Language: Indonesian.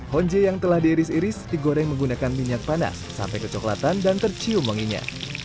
honje yang telah diiris iris digoreng menggunakan minyak panas sampai kecoklatan dan tercium wanginya